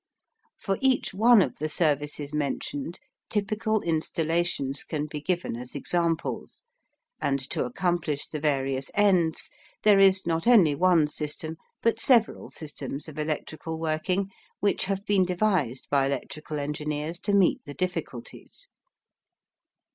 For each one of the services mentioned typical installations can be given as examples, and to accomplish the various ends, there is not only one system but several systems of electrical working, which have been devised by electrical engineers to meet the difficulties.